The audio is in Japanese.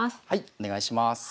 はいお願いします。